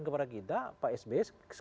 kepada kita pak sbe